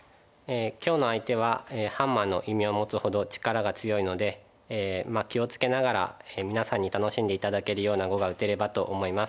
今日の相手はハンマーの異名を持つほど力が強いので気を付けながら皆さんに楽しんで頂けるような碁が打てればと思います。